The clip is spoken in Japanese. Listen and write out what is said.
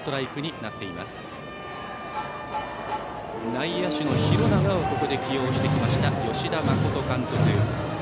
内野手の廣長をここで起用した吉田真監督。